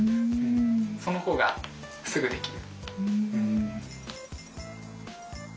その方がすぐできる。